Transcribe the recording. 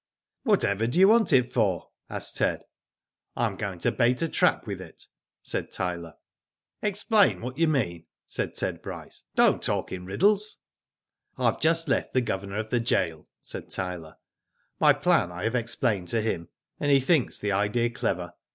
"Whatever do you want it for?" asked Ted. '* I am going to bait a trap with it," said Tyler. *' Explain what you mean," said Ted Bryce. '' Don't talk in riddles." I have just left the Governor of the gaol," said Tyler. " My plan I have explained to him, and he thinks the idea clever.